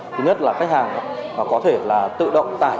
thứ nhất là khách hàng có thể là tự động tải